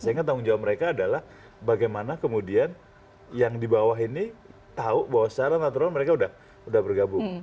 sehingga tanggung jawab mereka adalah bagaimana kemudian yang di bawah ini tahu bahwa secara natural mereka sudah bergabung